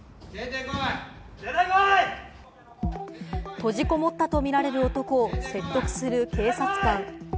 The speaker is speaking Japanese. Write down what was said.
閉じこもったとみられる男を説得する警察官。